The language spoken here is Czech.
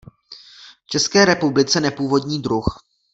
V České republice nepůvodní druh.